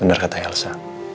bener kata elsa